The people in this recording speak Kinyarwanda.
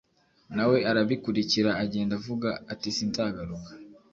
na we arabikurikira agenda avuga ati:sinzagaruka